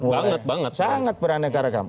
sangat sangat beraneka ragam